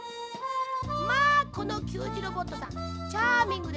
まあこのきゅうじロボットさんチャーミングですね